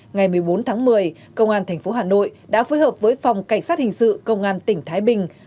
ngày một mươi bốn tháng một mươi công an tp hà nội đã phối hợp với phòng cảnh sát hình sự công an tỉnh thái bình